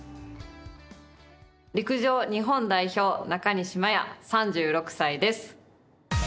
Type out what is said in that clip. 陸上日本代表中西麻耶、３６歳です。